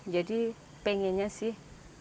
jadi pengennya sih